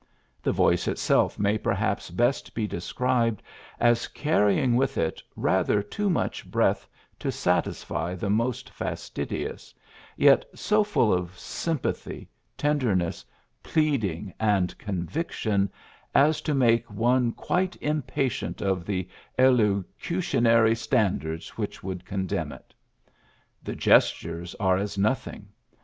The voice itself may perhaps best be described as carrying with it rather too much breath to satisfy the most fastid ious, yet so full of sympathy, tenderness, pleading, and conviction as to make one quite impatient of the elocutionary stand ards which would condemn it. The gestures are as nothing.